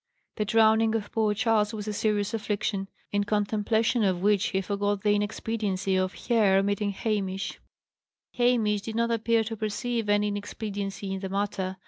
The drowning of poor Charley was a serious affliction, in contemplation of which he forgot the inexpediency of her meeting Hamish. Hamish did not appear to perceive any inexpediency in the matter.